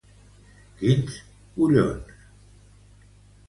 Quins collons.